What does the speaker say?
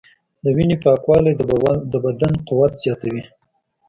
د وینې پاکوالی د بدن قوت زیاتوي.